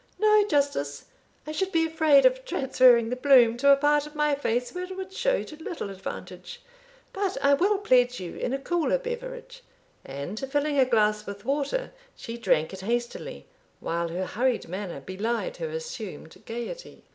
"No, Justice I should be afraid of transferring the bloom to a part of my face where it would show to little advantage; but I will pledge you in a cooler beverage;" and filling a glass with water, she drank it hastily, while her hurried manner belied her assumed gaiety.